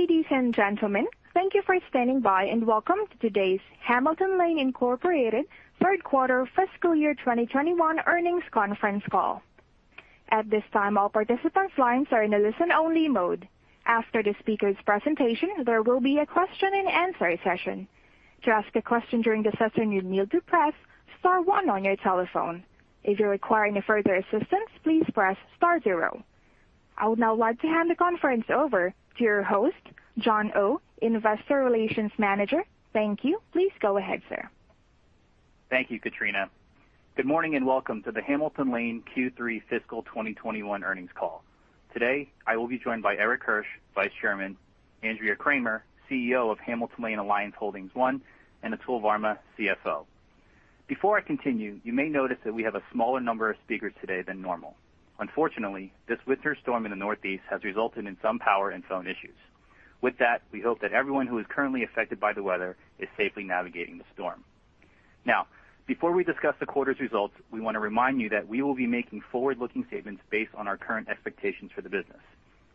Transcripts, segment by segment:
Ladies and gentlemen, thank you for standing by, and welcome to today's Hamilton Lane Incorporated third quarter fiscal year 2021 earnings conference call. At this time, all participants' lines are in a listen-only mode. After the speakers' presentation, there will be a question and answer session. To ask a question during the session, you'll need to press star one on your telephone. If you're requiring further assistance, please press star zero. I would now like to hand the conference over to your host, John Oh, Investor Relations Manager. Thank you. Please go ahead, sir. Thank you, Katrina. Good morning, welcome to the Hamilton Lane Q3 fiscal 2021 earnings call. Today, I will be joined by Erik Hirsch, Vice Chairman, Andrea Kramer, CEO of Hamilton Lane Alliance Holdings I, and Atul Varma, CFO. Before I continue, you may notice that we have a smaller number of speakers today than normal. Unfortunately, this winter storm in the Northeast has resulted in some power and phone issues. With that, we hope that everyone who is currently affected by the weather is safely navigating the storm. Before we discuss the quarter's results, we want to remind you that we will be making forward-looking statements based on our current expectations for the business.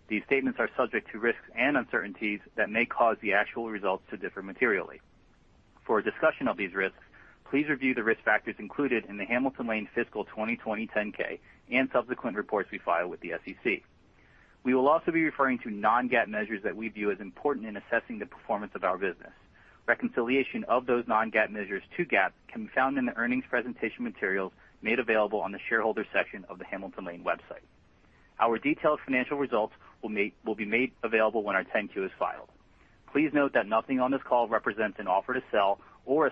These statements are subject to risks and uncertainties that may cause the actual results to differ materially. For a discussion of these risks, please review the risk factors included in the Hamilton Lane fiscal 2020 10-K and subsequent reports we file with the SEC. We will also be referring to non-GAAP measures that we view as important in assessing the performance of our business. Reconciliation of those non-GAAP measures to GAAP can be found in the earnings presentation materials made available on the shareholder section of the Hamilton Lane website. Our detailed financial results will be made available when our 10-Q is filed. Please note that nothing on this call represents an offer to sell or a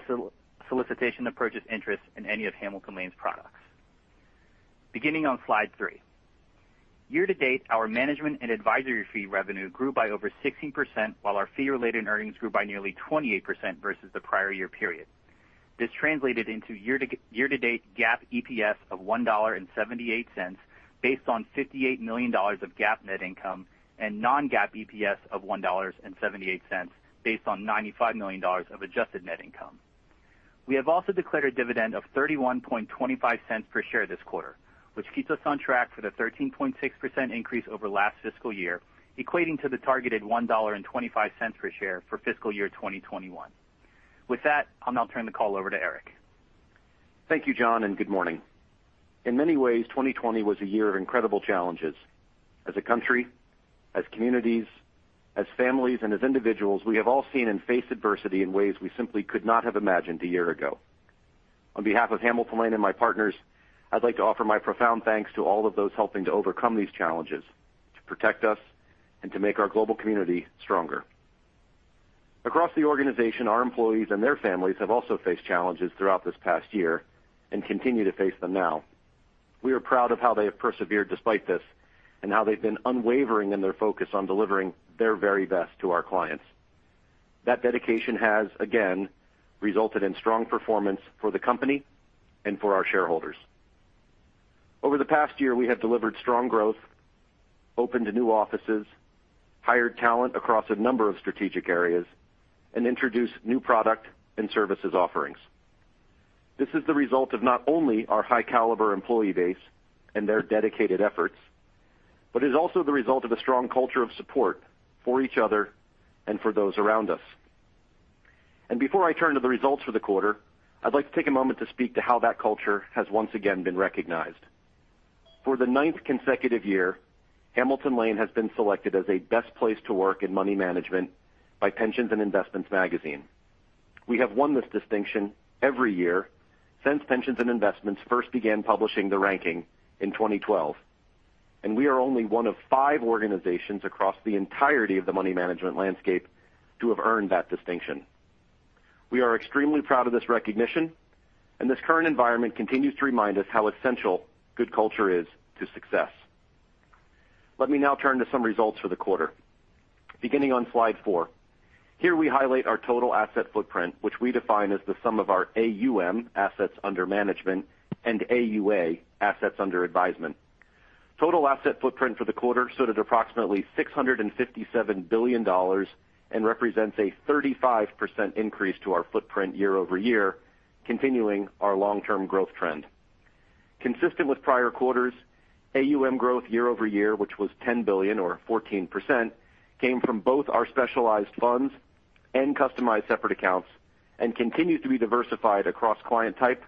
solicitation to purchase interest in any of Hamilton Lane's products. Beginning on slide three. Year to date, our management and advisory fee revenue grew by over 16%, while our fee-related earnings grew by nearly 28% versus the prior year period. This translated into year to date GAAP EPS of $1.78, based on $58 million of GAAP net income, and non-GAAP EPS of $1.78, based on $95 million of adjusted net income. We have also declared a dividend of $0.3125 per share this quarter, which keeps us on track for the 13.6% increase over last fiscal year, equating to the targeted $1.25 per share for fiscal year 2021. With that, I'll now turn the call over to Erik. Thank you, John, and good morning. In many ways, 2020 was a year of incredible challenges. As a country, as communities, as families, and as individuals, we have all seen and faced adversity in ways we simply could not have imagined a year ago. On behalf of Hamilton Lane and my partners, I'd like to offer my profound thanks to all of those helping to overcome these challenges, to protect us, and to make our global community stronger. Across the organization, our employees and their families have also faced challenges throughout this past year and continue to face them now. We are proud of how they have persevered despite this, and how they've been unwavering in their focus on delivering their very best to our clients. That dedication has, again, resulted in strong performance for the company and for our shareholders. Over the past year, we have delivered strong growth, opened new offices, hired talent across a number of strategic areas, and introduced new product and services offerings. This is the result of not only our high-caliber employee base and their dedicated efforts, but is also the result of a strong culture of support for each other and for those around us. Before I turn to the results for the quarter, I'd like to take a moment to speak to how that culture has once again been recognized. For the ninth consecutive year, Hamilton Lane has been selected as a Best Places to Work in Money Management by Pensions & Investments magazine. We have won this distinction every year since Pensions & Investments first began publishing the ranking in 2012, we are only one of five organizations across the entirety of the money management landscape to have earned that distinction. We are extremely proud of this recognition, this current environment continues to remind us how essential good culture is to success. Let me now turn to some results for the quarter. Beginning on slide four. Here we highlight our total asset footprint, which we define as the sum of our AUM, assets under management, and AUA, assets under advisement. Total asset footprint for the quarter stood at approximately $657 billion and represents a 35% increase to our footprint year-over-year, continuing our long-term growth trend. Consistent with prior quarters, AUM growth year-over-year, which was $10 billion or 14%, came from both our specialized funds and customized separate accounts and continues to be diversified across client type,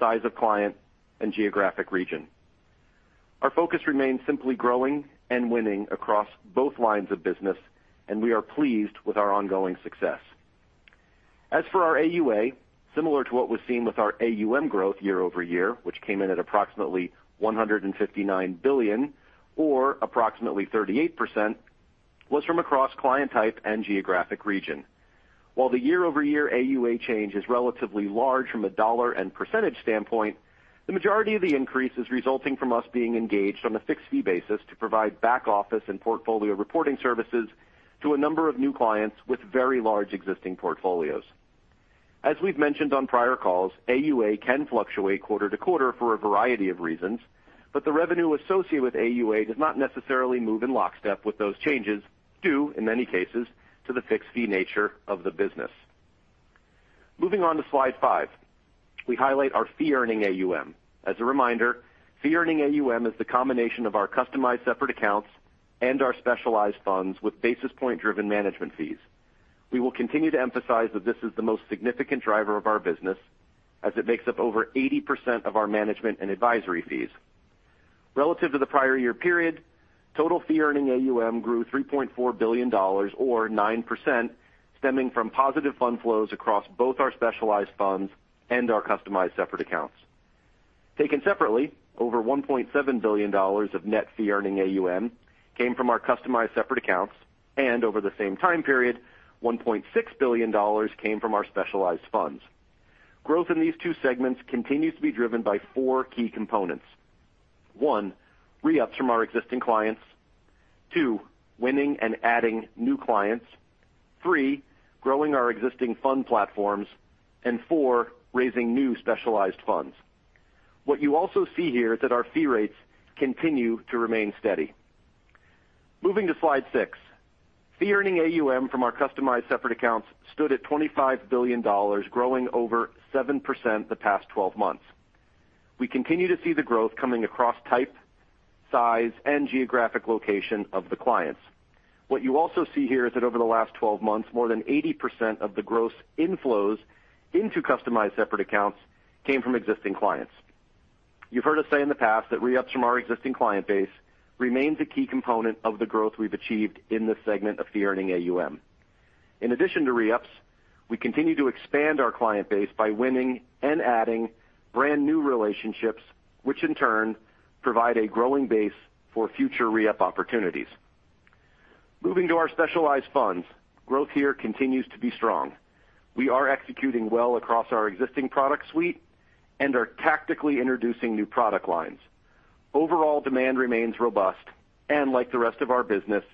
size of client, and geographic region. Our focus remains simply growing and winning across both lines of business, and we are pleased with our ongoing success. As for our AUA, similar to what was seen with our AUM growth year-over-year, which came in at approximately $159 billion, or approximately 38%, was from across client type and geographic region. While the year-over-year AUA change is relatively large from a dollar and percentage standpoint, the majority of the increase is resulting from us being engaged on a fixed fee basis to provide back office and portfolio reporting services to a number of new clients with very large existing portfolios. As we've mentioned on prior calls, AUA can fluctuate quarter to quarter for a variety of reasons, but the revenue associated with AUA does not necessarily move in lockstep with those changes due, in many cases, to the fixed fee nature of the business. Moving on to slide five, we highlight our fee-earning AUM. As a reminder, fee-earning AUM is the combination of our customized separate accounts and our specialized funds with basis point-driven management fees. We will continue to emphasize that this is the most significant driver of our business, as it makes up over 80% of our management and advisory fees. Relative to the prior year period, total fee-earning AUM grew $3.4 billion or 9%, stemming from positive fund flows across both our specialized funds and our customized separate accounts. Taken separately, over $1.7 billion of net fee-earning AUM came from our customized separate accounts, and over the same time period, $1.6 billion came from our specialized funds. Growth in these two segments continues to be driven by four key components. One, re-ups from our existing clients. Two, winning and adding new clients. Three, growing our existing fund platforms. Four, raising new specialized funds. What you also see here is that our fee rates continue to remain steady. Moving to slide six. Fee-earning AUM from our customized separate accounts stood at $25 billion, growing over 7% the past 12 months. We continue to see the growth coming across type, size, and geographic location of the clients. What you also see here is that over the last 12 months, more than 80% of the gross inflows into customized separate accounts came from existing clients. You've heard us say in the past that re-ups from our existing client base remains a key component of the growth we've achieved in this segment of fee-earning AUM. In addition to re-ups, we continue to expand our client base by winning and adding brand-new relationships, which in turn provide a growing base for future re-up opportunities. Moving to our specialized funds, growth here continues to be strong. We are executing well across our existing product suite and are tactically introducing new product lines. Overall demand remains robust, and like the rest of our business,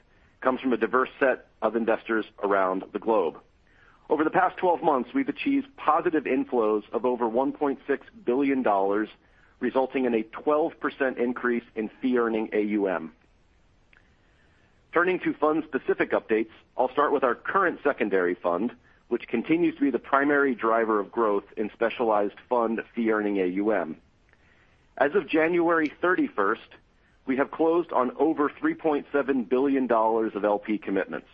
comes from a diverse set of investors around the globe. Over the past 12 months, we've achieved positive inflows of over $1.6 billion, resulting in a 12% increase in fee-earning AUM. Turning to fund-specific updates, I'll start with our current secondary fund, which continues to be the primary driver of growth in specialized fund fee-earning AUM. As of January 31st, we have closed on over $3.7 billion of LP commitments.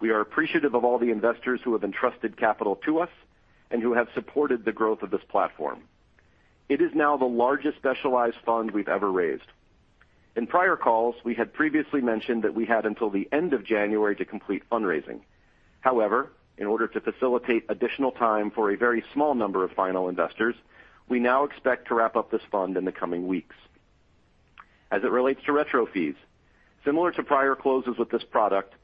We are appreciative of all the investors who have entrusted capital to us and who have supported the growth of this platform. It is now the largest specialized fund we've ever raised. In prior calls, we had previously mentioned that we had until the end of January to complete fundraising. In order to facilitate additional time for a very small number of final investors, we now expect to wrap up this fund in the coming weeks. As it relates to retro fees, similar to prior closes with this product,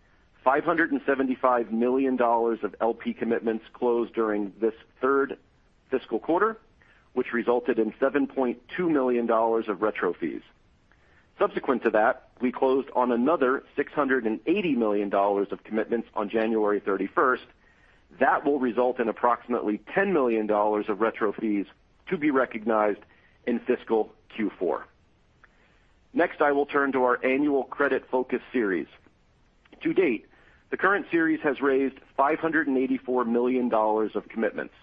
$575 million of LP commitments closed during this third fiscal quarter, which resulted in $7.2 million of retro fees. Subsequent to that, we closed on another $680 million of commitments on January 31st. That will result in approximately $10 million of retro fees to be recognized in fiscal Q4. Next, I will turn to our annual credit-focused series. To date, the current series has raised $584 million of commitments.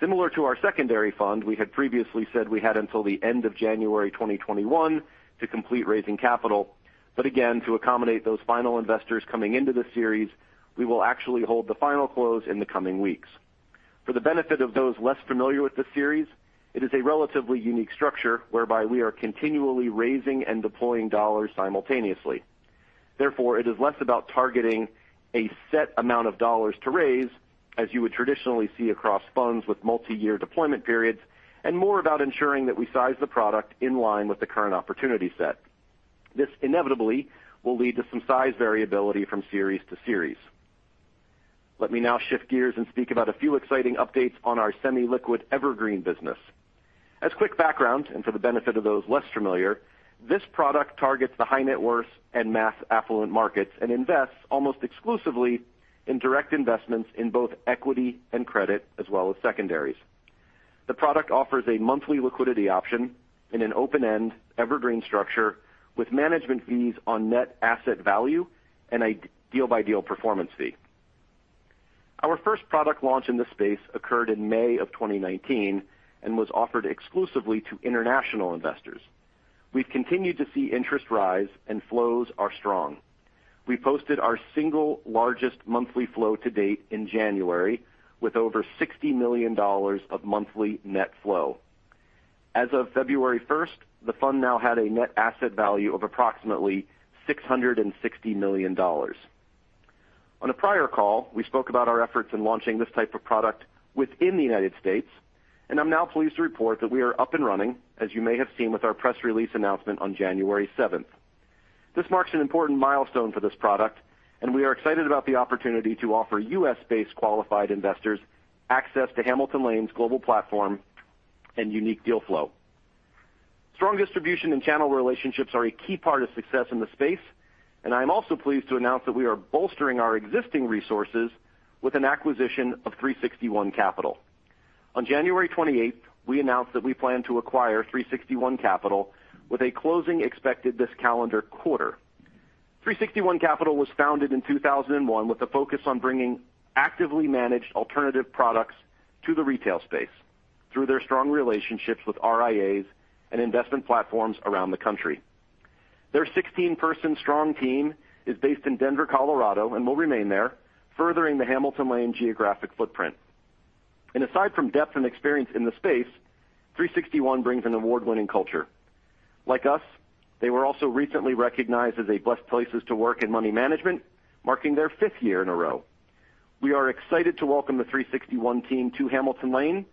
Similar to our secondary fund, we had previously said we had until the end of January 2021 to complete raising capital. To accommodate those final investors coming into the series, we will actually hold the final close in the coming weeks. For the benefit of those less familiar with this series, it is a relatively unique structure whereby we are continually raising and deploying U.S. dollars simultaneously. Therefore, it is less about targeting a set amount of dollars to raise, as you would traditionally see across funds with multi-year deployment periods, and more about ensuring that we size the product in line with the current opportunity set. This inevitably will lead to some size variability from series to series. Let me now shift gears and speak about a few exciting updates on our semi-liquid evergreen business. As quick background, and for the benefit of those less familiar, this product targets the high-net-worth and mass affluent markets and invests almost exclusively in direct investments in both equity and credit as well as secondaries. The product offers a monthly liquidity option in an open-end evergreen structure with management fees on net asset value and a deal-by-deal performance fee. Our first product launch in this space occurred in May of 2019 and was offered exclusively to international investors. We've continued to see interest rise, and flows are strong. We posted our single largest monthly flow to date in January, with over $60 million of monthly net flow. As of February 1st, the fund now had a net asset value of approximately $660 million. On a prior call, we spoke about our efforts in launching this type of product within the United States, and I'm now pleased to report that we are up and running, as you may have seen with our press release announcement on January 7th. This marks an important milestone for this product, and we are excited about the opportunity to offer U.S. based qualified investors access to Hamilton Lane's global platform and unique deal flow. Strong distribution and channel relationships are a key part of success in the space. I'm also pleased to announce that we are bolstering our existing resources with an acquisition of 361 Capital. On January 28th, we announced that we plan to acquire 361 Capital with a closing expected this calendar quarter. 361 Capital was founded in 2001 with a focus on bringing actively managed alternative products to the retail space through their strong relationships with RIAs and investment platforms around the country. Their 16-person strong team is based in Denver, Colorado, and will remain there, furthering the Hamilton Lane geographic footprint. Aside from depth and experience in the space, 361 brings an award-winning culture. Like us, they were also recently recognized as a Best Places to Work in Money Management, marking their fifth year in a row. We are excited to welcome the 361 team to Hamilton Lane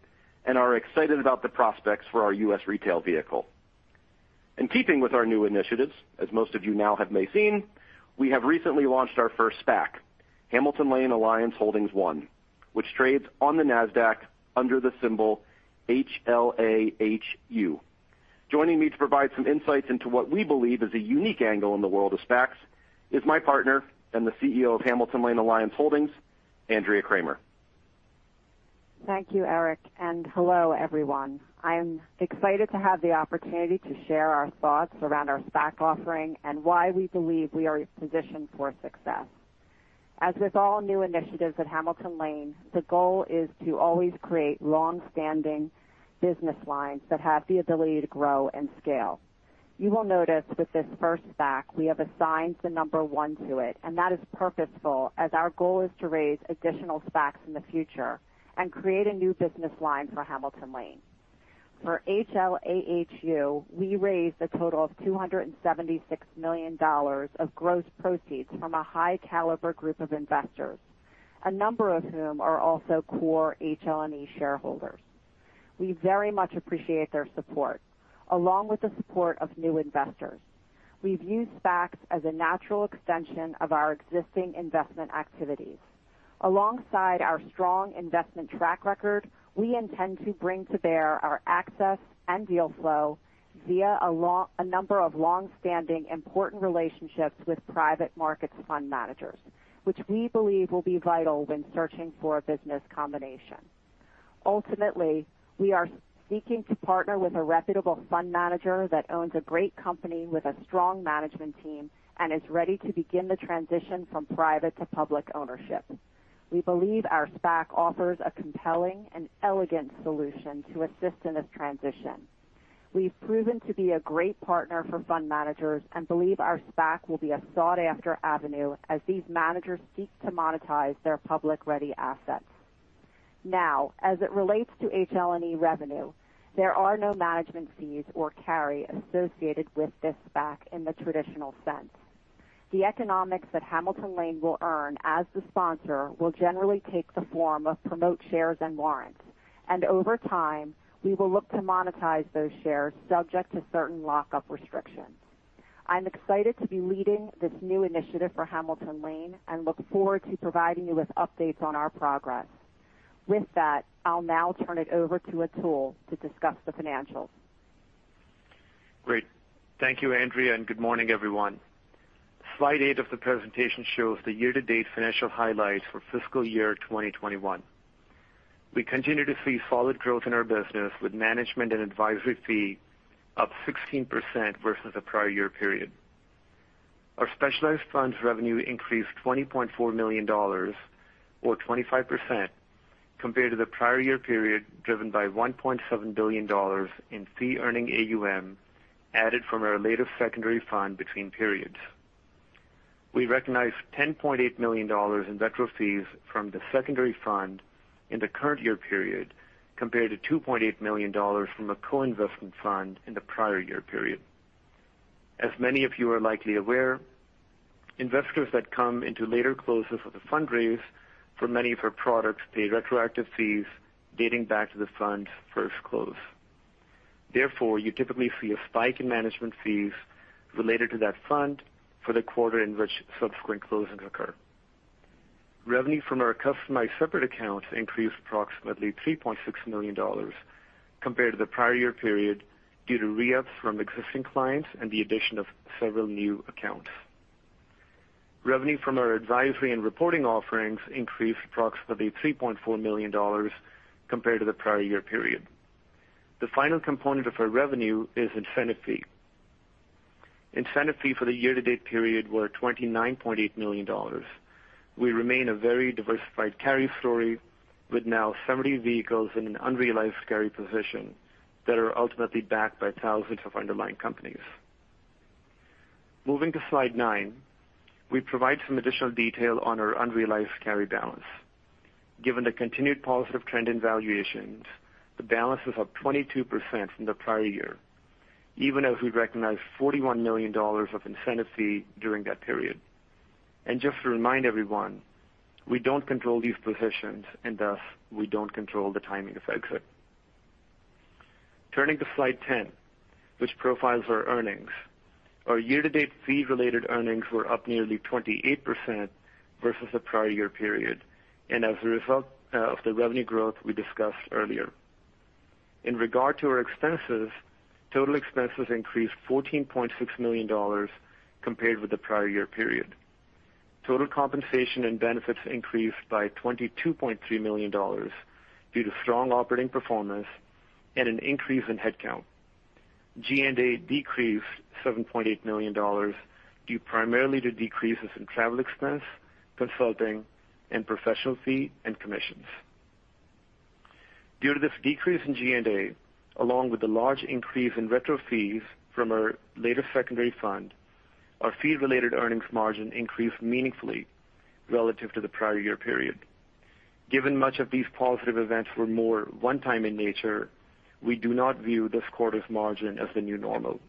and are excited about the prospects for our U.S. retail vehicle. In keeping with our new initiatives, as most of you now have may seen, we have recently launched our first SPAC, Hamilton Lane Alliance Holdings I, which trades on the Nasdaq under the symbol HLAHU. Joining me to provide some insights into what we believe is a unique angle in the world of SPACs is my partner and the CEO of Hamilton Lane Alliance Holdings, Andrea Kramer. Thank you, Erik, and hello, everyone. I'm excited to have the opportunity to share our thoughts around our SPAC offering and why we believe we are positioned for success. As with all new initiatives at Hamilton Lane, the goal is to always create longstanding business lines that have the ability to grow and scale. You will notice with this first SPAC, we have assigned the number one to it, and that is purposeful, as our goal is to raise additional SPACs in the future and create a new business line for Hamilton Lane. For HLAHU, we raised a total of $276 million of gross proceeds from a high-caliber group of investors, a number of whom are also core HLNE shareholders. We very much appreciate their support, along with the support of new investors. We've used SPACs as a natural extension of our existing investment activities. Alongside our strong investment track record, we intend to bring to bear our access and deal flow via a number of longstanding important relationships with private markets fund managers, which we believe will be vital when searching for a business combination. Ultimately, we are seeking to partner with a reputable fund manager that owns a great company with a strong management team and is ready to begin the transition from private to public ownership. We believe our SPAC offers a compelling and elegant solution to assist in this transition. We've proven to be a great partner for fund managers and believe our SPAC will be a sought-after avenue as these managers seek to monetize their public-ready assets. As it relates to HLNE revenue, there are no management fees or carry associated with this SPAC in the traditional sense. The economics that Hamilton Lane will earn as the sponsor will generally take the form of promote shares and warrants, and over time, we will look to monetize those shares subject to certain lock-up restrictions. I'm excited to be leading this new initiative for Hamilton Lane and look forward to providing you with updates on our progress. With that, I'll now turn it over to Atul to discuss the financials. Great. Thank you, Andrea, and good morning, everyone. Slide eight of the presentation shows the year-to-date financial highlights for fiscal year 2021. We continue to see solid growth in our business with management and advisory fee up 16% versus the prior year period. Our specialized funds revenue increased $20.4 million, or 25%, compared to the prior year period, driven by $1.7 billion in fee-earning AUM added from our latest secondary fund between periods. We recognized $10.8 million in retro fees from the secondary fund in the current year period, compared to $2.8 million from a co-investment fund in the prior year period. As many of you are likely aware, investors that come into later closes of a fund raise for many of our products pay retroactive fees dating back to the fund's first close. Therefore, you typically see a spike in management fees related to that fund for the quarter in which subsequent closings occur. Revenue from our customized separate accounts increased approximately $3.6 million compared to the prior year period due to re-ups from existing clients and the addition of several new accounts. Revenue from our advisory and reporting offerings increased approximately $3.4 million compared to the prior year period. The final component of our revenue is incentive fee. Incentive fee for the year-to-date period were $29.8 million. We remain a very diversified carry story with now 70 vehicles in an unrealized carry position that are ultimately backed by thousands of underlying companies. Moving to slide nine, we provide some additional detail on our unrealized carry balance. Given the continued positive trend in valuations, the balance is up 22% from the prior year, even as we recognized $41 million of incentive fee during that period. Just to remind everyone, we don't control these positions, and thus, we don't control the timing of exit. Turning to slide 10, which profiles our earnings. Our year-to-date fee-related earnings were up nearly 28% versus the prior year period, and as a result of the revenue growth we discussed earlier. In regard to our expenses, total expenses increased $14.6 million compared with the prior year period. Total compensation and benefits increased by $22.3 million due to strong operating performance and an increase in headcount. G&A decreased $7.8 million due primarily to decreases in travel expense, consulting, and professional fee and commissions. Due to this decrease in G&A, along with the large increase in retro fees from our latest secondary fund, our fee-related earnings margin increased meaningfully relative to the prior year period. Given much of these positive events were more one-time in nature, we do not view this quarter's margin as the new normal.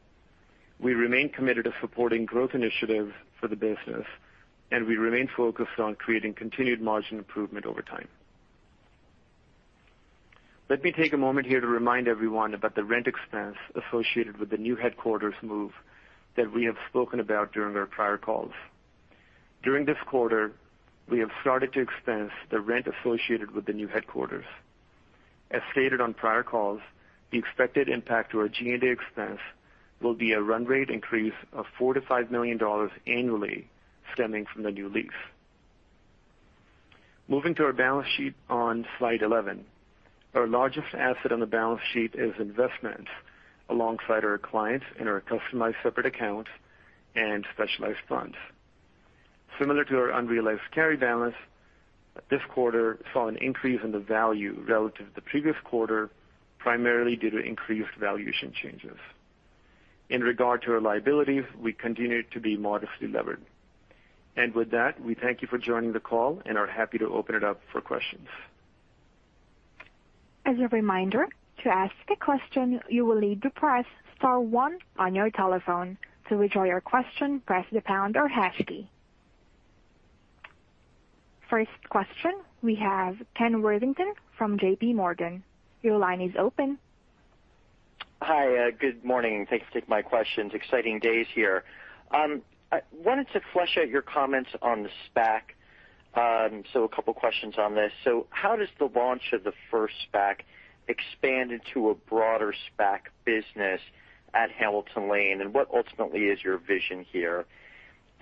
We remain committed to supporting growth initiatives for the business, and we remain focused on creating continued margin improvement over time. Let me take a moment here to remind everyone about the rent expense associated with the new headquarters move that we have spoken about during our prior calls. During this quarter, we have started to expense the rent associated with the new headquarters. As stated on prior calls, the expected impact to our G&A expense will be a run rate increase of $4 million-$5 million annually stemming from the new lease. Moving to our balance sheet on slide 11. Our largest asset on the balance sheet is investments alongside our clients in our customized separate accounts and specialized funds. Similar to our unrealized carry balance, this quarter saw an increase in the value relative to the previous quarter, primarily due to increased valuation changes. In regard to our liabilities, we continue to be modestly levered. With that, we thank you for joining the call and are happy to open it up for questions. As a reminder, to ask a question, you will need to press star one on your telephone. To withdraw your question, press the pound or hash key. First question, we have Ken Worthington from JPMorgan. Your line is open. Hi. Good morning. Thanks for taking my questions. Exciting days here. I wanted to flesh out your comments on the SPAC. A couple of questions on this. How does the launch of the first SPAC expand into a broader SPAC business at Hamilton Lane? What ultimately is your vision here?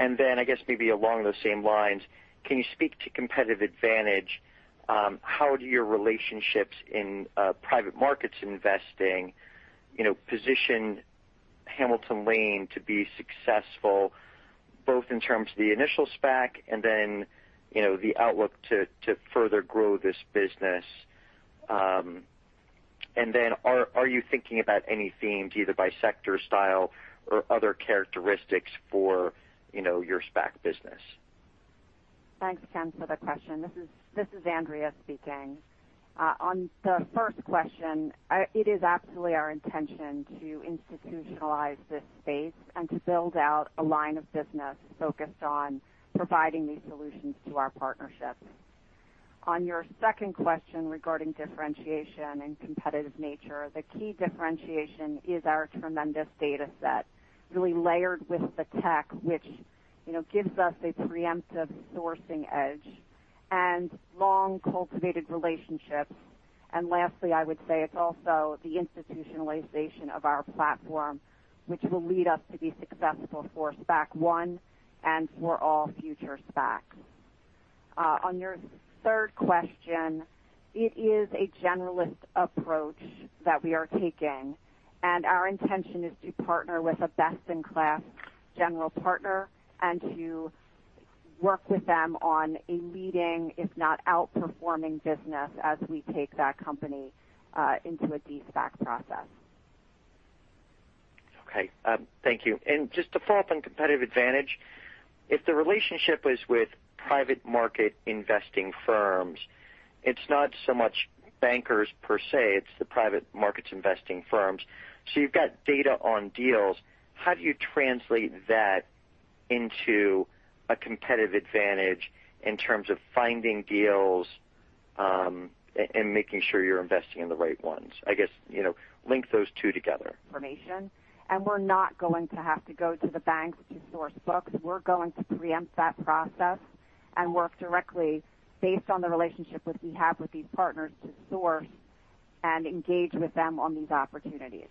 I guess maybe along those same lines, can you speak to competitive advantage? How do your relationships in private markets investing position Hamilton Lane to be successful, both in terms of the initial SPAC and then the outlook to further grow this business? Are you thinking about any themes, either by sector style or other characteristics for your SPAC business? Thanks, Ken, for the question. This is Andrea speaking. On the first question, it is absolutely our intention to institutionalize this space and to build out a line of business focused on providing these solutions to our partnerships. On your second question regarding differentiation and competitive nature, the key differentiation is our tremendous dataset, really layered with the tech, which gives us a preemptive sourcing edge and long-cultivated relationships. Lastly, I would say it's also the institutionalization of our platform, which will lead us to be successful for SPAC one and for all future SPACs. On your third question, it is a generalist approach that we are taking. Our intention is to partner with a best-in-class general partner and to work with them on a leading, if not outperforming business as we take that company into a De-SPAC process. Okay. Thank you. Just to follow up on competitive advantage, if the relationship is with private market investing firms, it's not so much bankers per se, it's the private markets investing firms. You've got data on deals. How do you translate that into a competitive advantage in terms of finding deals and making sure you're investing in the right ones? I guess, link those two together. Information. We're not going to have to go to the banks to source books. We're going to preempt that process and work directly based on the relationship which we have with these partners to source and engage with them on these opportunities.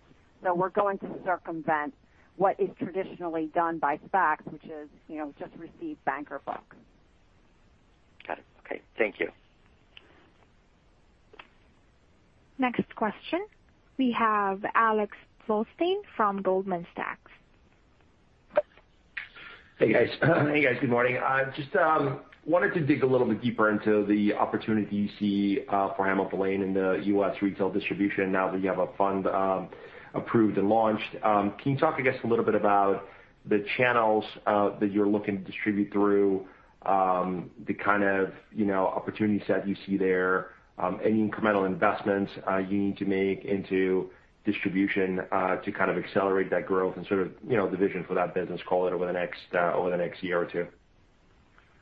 We're going to circumvent what is traditionally done by SPACs, which is just receive banker books. Got it. Okay. Thank you. Next question. We have Alex Blostein from Goldman Sachs. Hey, guys. Good morning. Just wanted to dig a little bit deeper into the opportunity you see for Hamilton Lane in the U.S. retail distribution now that you have a fund approved and launched. Can you talk, I guess, a little bit about the channels that you're looking to distribute through the kind of opportunity set you see there any incremental investments you need to make into distribution to accelerate that growth and the vision for that business, call it over the next year or two?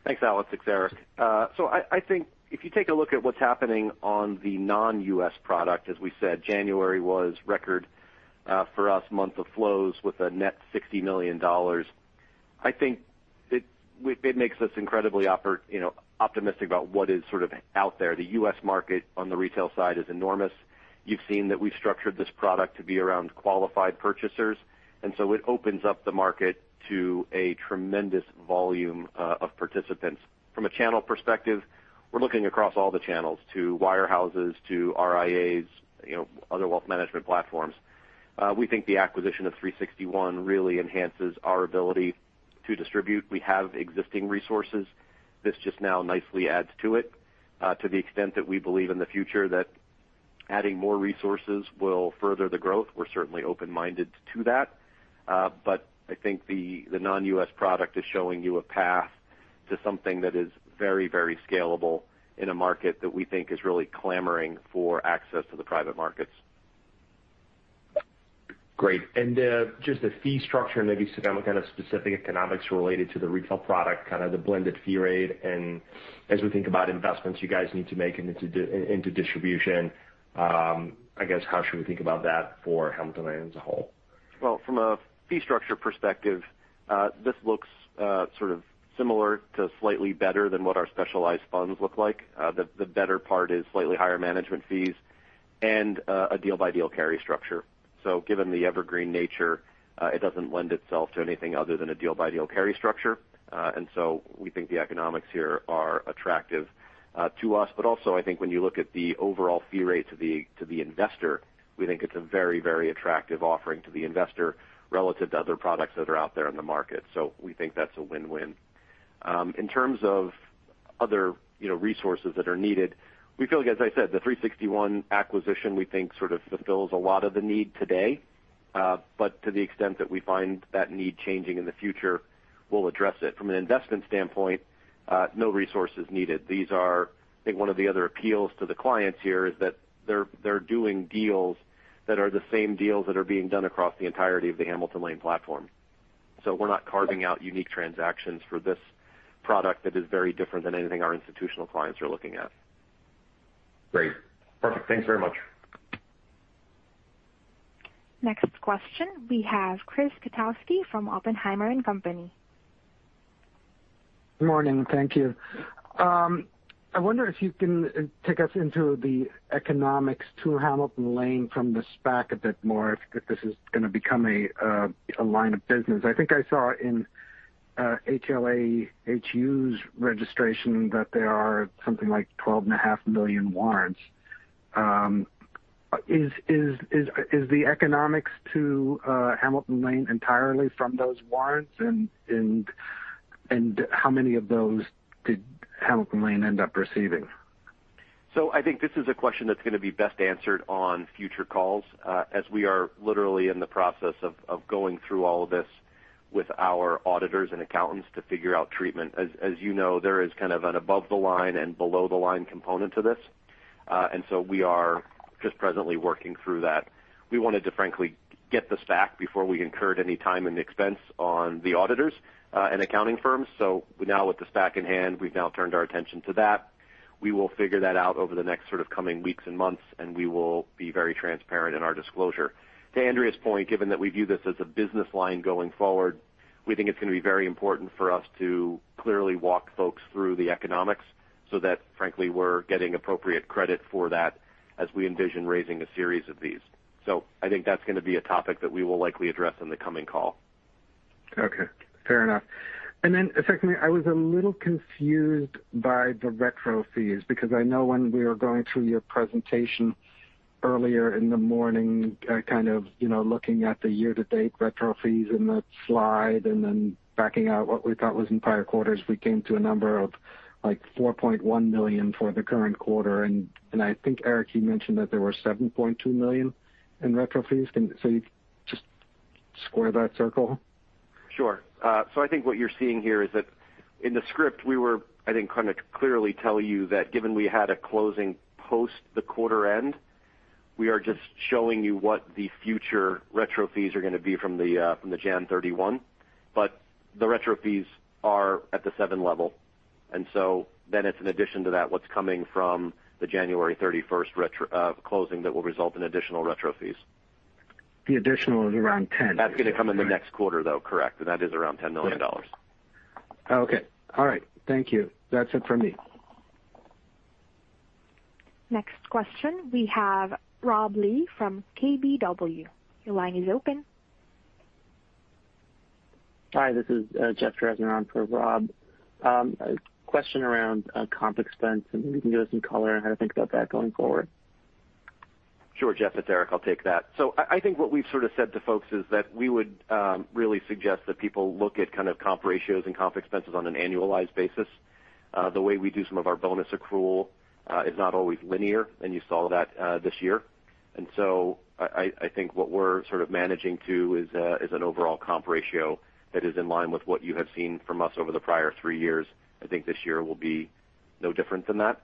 Thanks, Alex. It's Erik. I think if you take a look at what's happening on the non U.S. product, as we said, January was record for us month of flows with a net $60 million. I think it makes us incredibly optimistic about what is sort of out there. The U.S. market on the retail side is enormous. You've seen that we've structured this product to be around qualified purchasers, and so it opens up the market to a tremendous volume of participants. From a channel perspective, we're looking across all the channels to wirehouses, to RIAs, other wealth management platforms. We think the acquisition of 361 really enhances our ability to distribute. We have existing resources. This just now nicely adds to it. To the extent that we believe in the future that adding more resources will further the growth, we're certainly open-minded to that. I think the non U.S. product is showing you a path to something that is very scalable in a market that we think is really clamoring for access to the private markets. Great. Just the fee structure and maybe some kind of specific economics related to the retail product, kind of the blended fee rate. As we think about investments you guys need to make into distribution, I guess how should we think about that for Hamilton Lane as a whole? Well, from a fee structure perspective, this looks sort of similar to slightly better than what our specialized funds look like. The better part is slightly higher management fees and a deal-by-deal carry structure. Given the evergreen nature, it doesn't lend itself to anything other than a deal-by-deal carry structure. We think the economics here are attractive to us. Also, I think when you look at the overall fee rate to the investor, we think it's a very attractive offering to the investor relative to other products that are out there in the market. We think that's a win-win. In terms of other resources that are needed, we feel like, as I said, the 361 acquisition, we think sort of fulfills a lot of the need today. To the extent that we find that need changing in the future, we'll address it. From an investment standpoint, no resources needed. I think one of the other appeals to the clients here is that they're doing deals that are the same deals that are being done across the entirety of the Hamilton Lane platform. We're not carving out unique transactions for this product that is very different than anything our institutional clients are looking at. Great. Perfect. Thanks very much. Next question, we have Chris Kotowski from Oppenheimer and Company. Good morning. Thank you. I wonder if you can take us into the economics to Hamilton Lane from the SPAC a bit more, if this is going to become a line of business. I think I saw in HLAHU's registration that there are something like 12.5 million warrants. Is the economics to Hamilton Lane entirely from those warrants, and how many of those did Hamilton Lane end up receiving? I think this is a question that's going to be best answered on future calls as we are literally in the process of going through all of this with our auditors and accountants to figure out treatment. As you know, there is kind of an above-the-line and below-the-line component to this. We are just presently working through that. We wanted to frankly get the SPAC before we incurred any time and expense on the auditors and accounting firms. Now with the SPAC in hand, we've now turned our attention to that. We will figure that out over the next sort of coming weeks and months, and we will be very transparent in our disclosure. To Andrea's point, given that we view this as a business line going forward, we think it's going to be very important for us to clearly walk folks through the economics so that frankly, we're getting appropriate credit for that as we envision raising a series of these. I think that's going to be a topic that we will likely address in the coming call. Okay, fair enough. Secondly, I was a little confused by the retro fees because I know when we were going through your presentation earlier in the morning, kind of looking at the year-to-date retro fees in the slide and then backing out what we thought was entire quarters, we came to a number of $4.1 million for the current quarter. I think, Erik, you mentioned that there were $7.2 million in retro fees. Can you just square that circle? Sure. I think what you're seeing here is that in the script, we were, I think, kind of clearly tell you that given we had a closing post the quarter end, we are just showing you what the future retro fees are going to be from the January 31. The retro fees are at the level seven. It's in addition to that what's coming from the January 31 closing that will result in additional retro fees. The additional is around 10. That's going to come in the next quarter, though, correct? That is around $10 million. Okay. All right. Thank you. That's it for me. Next question, we have Rob Lee from KBW. Your line is open. Hi, this is Jeff Dresner on for Rob. Question around comp expense, and maybe you can give us some color on how to think about that going forward? Sure, Jeff, it's Erik. I'll take that. I think what we've sort of said to folks is that we would really suggest that people look at kind of comp ratios and comp expenses on an annualized basis. The way we do some of our bonus accrual is not always linear, and you saw that this year. I think what we're sort of managing to is an overall comp ratio that is in line with what you have seen from us over the prior three years. I think this year will be no different than that.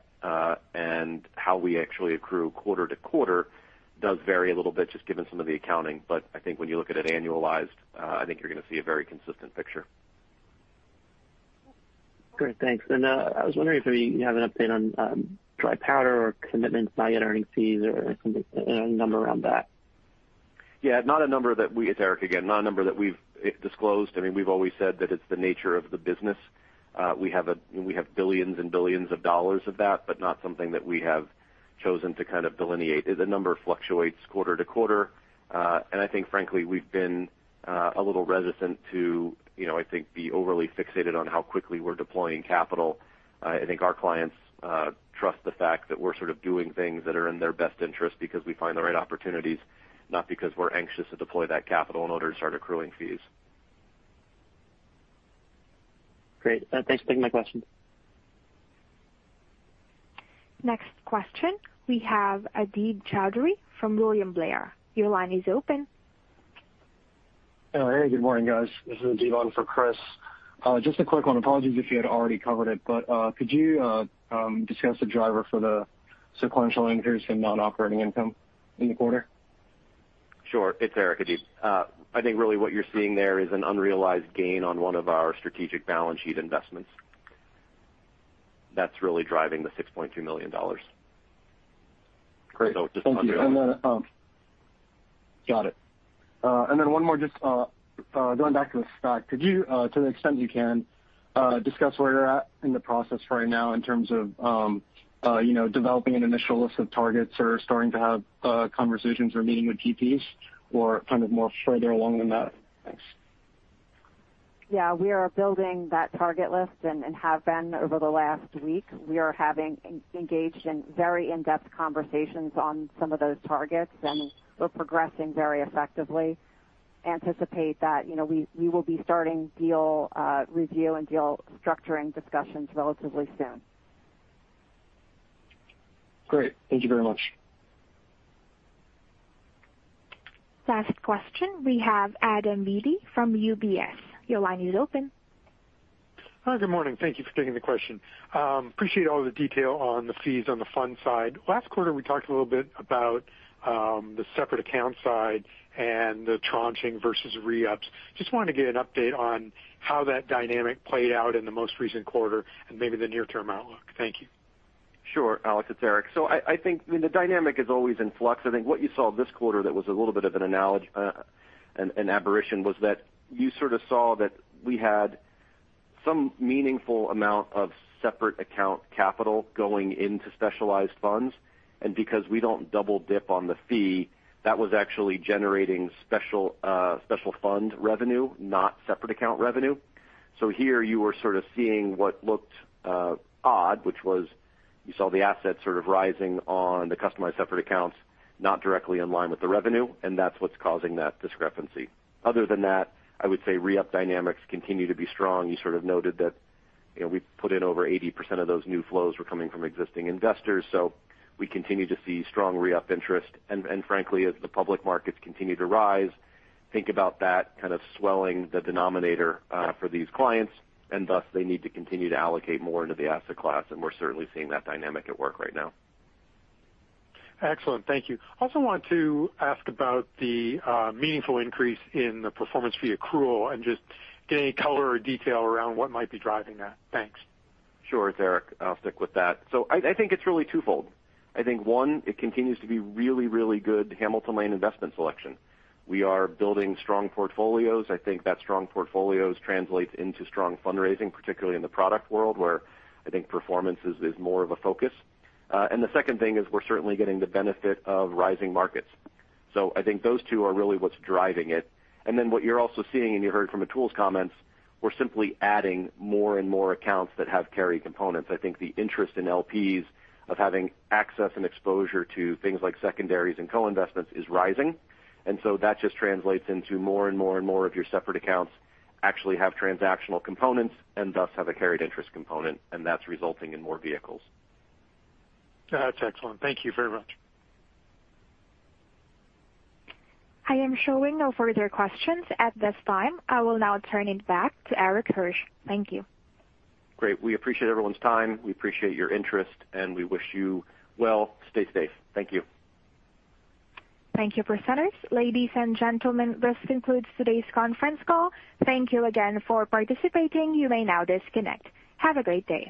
How we actually accrue quarter to quarter does vary a little bit just given some of the accounting. I think when you look at it annualized, I think you're going to see a very consistent picture. Great. Thanks. I was wondering if maybe you have an update on dry powder or commitments, not yet earning fees or any number around that? Yeah. It's Erik again, not a number that we've disclosed. We've always said that it's the nature of the business. We have billions and billions dollars of that, not something that we have chosen to delineate. The number fluctuates quarter to quarter. I think frankly, we've been a little resistant to, I think, be overly fixated on how quickly we're deploying capital. I think our clients trust the fact that we're sort of doing things that are in their best interest because we find the right opportunities, not because we're anxious to deploy that capital in order to start accruing fees. Great. Thanks for taking my question. Next question. We have Adib Choudhury from William Blair. Your line is open. Hello. Good morning, guys. This is Adib on for Chris. Just a quick one. Apologies if you had already covered it, but could you discuss the driver for the sequential increase in non-operating income in the quarter? Sure. It's Erik, Adib. I think really what you're seeing there is an unrealized gain on one of our strategic balance sheet investments. That's really driving the $6.2 million. Great. Thank you. Got it. One more just going back to the SPAC. Could you, to the extent you can, discuss where you're at in the process right now in terms of developing an initial list of targets or starting to have conversations or meeting with GPs or kind of more further along than that? Thanks. Yeah. We are building that target list and have been over the last week. We are having engaged in very in-depth conversations on some of those targets, and we're progressing very effectively. Anticipate that we will be starting deal review and deal structuring discussions relatively soon. Great. Thank you very much. Last question. We have Adam Beatty from UBS. Your line is open. Hi. Good morning. Thank you for taking the question. Appreciate all the detail on the fees on the fund side. Last quarter, we talked a little bit about the separate account side and the tranching versus re-ups. Just wanted to get an update on how that dynamic played out in the most recent quarter and maybe the near-term outlook. Thank you. Sure, Adam. It's Erik. I think the dynamic is always in flux. I think what you saw this quarter that was a little bit of an aberration was that you sort of saw that we had some meaningful amount of separate account capital going into specialized funds. Because we don't double-dip on the fee, that was actually generating specialized fund revenue, not separate account revenue. Here you were sort of seeing what looked odd, which was you saw the assets sort of rising on the customized separate accounts, not directly in line with the revenue, and that's what's causing that discrepancy. Other than that, I would say re-up dynamics continue to be strong. You sort of noted that we put in over 80% of those new flows were coming from existing investors. We continue to see strong re-up interest. Frankly, as the public markets continue to rise, think about that kind of swelling the denominator for these clients. Thus, they need to continue to allocate more into the asset class. We're certainly seeing that dynamic at work right now. Excellent. Thank you. Also want to ask about the meaningful increase in the performance fee accrual and just get any color or detail around what might be driving that. Thanks. Sure. It's Erik. I'll stick with that. I think it's really twofold. I think one, it continues to be really, really good Hamilton Lane investment selection. We are building strong portfolios. I think that strong portfolios translate into strong fundraising, particularly in the product world where I think performance is more of a focus. The second thing is we're certainly getting the benefit of rising markets. I think those two are really what's driving it. What you're also seeing, and you heard from Atul's comments, we're simply adding more and more accounts that have carry components. I think the interest in LPs of having access and exposure to things like secondaries and co-investments is rising. That just translates into more and more of your separate accounts actually have transactional components and thus have a carried interest component, and that's resulting in more vehicles. That's excellent. Thank you very much. I am showing no further questions at this time. I will now turn it back to Erik Hirsch. Thank you. Great. We appreciate everyone's time. We appreciate your interest, and we wish you well. Stay safe. Thank you. Thank you, presenters. Ladies and gentlemen, this concludes today's conference call. Thank you again for participating. You may now disconnect. Have a great day.